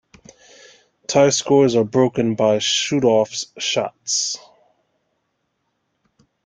Tie scores are broken by shoot-offs shots.